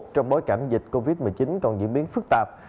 trong bối cảnh dịch covid một mươi chín còn diễn biến phức tạp